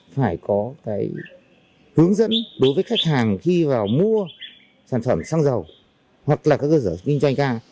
phải có cái hướng dẫn đối với khách hàng khi vào mua sản phẩm xăng dầu hoặc là các cơ sở kinh doanh ga